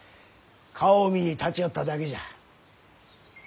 顔を見に立ち寄っただけじゃ。